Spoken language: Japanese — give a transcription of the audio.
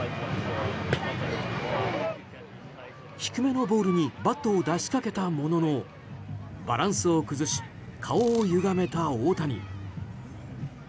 低めのボールにバットを出しかけたもののバランスを崩し顔をゆがめた大谷。